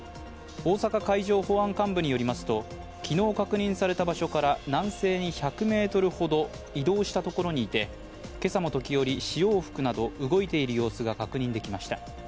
大阪海上保安監部によりますと昨日確認された場所から南西に１００ｍほど移動した所にいて今朝も時折、潮を吹くなど動いている様子が確認できました。